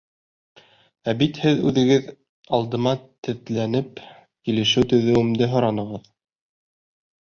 Ә бит һеҙ үҙегеҙ, алдыма теҙләнеп, килешеү төҙөүемде һоранығыҙ.